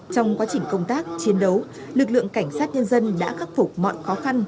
trong quá trình công tác chiến đấu lực lượng cảnh sát nhân dân đã khắc phục mọi khó khăn